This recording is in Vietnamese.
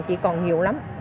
chị còn nhiều lắm